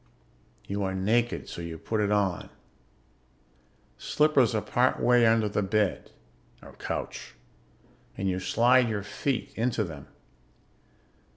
You are naked, so you put it on. Slippers are part way under the bed (or couch) and you slide your feet into them.